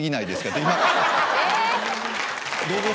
って今。